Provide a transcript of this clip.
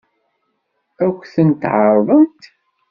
Ad k-tent-ɛeṛḍent?